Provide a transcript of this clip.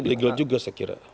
legal juga saya kira